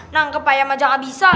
nangkep ayam aja gak bisa